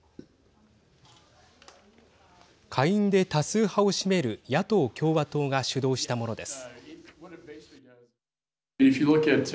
下院で多数派を占める野党・共和党が主導したものです。